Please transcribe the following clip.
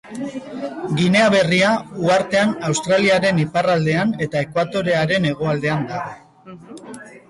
Ginea Berria uhartean Australiaren iparraldean eta ekuatorearen hegoaldean dago.